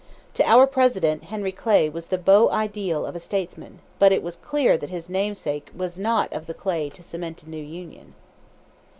To our President, Henry Clay was the "beau ideal of a statesman"; but it was clear that his namesake was not of the Clay to cement a new Union!